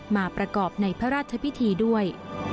มาประกอบในพระราชพิธีด้วย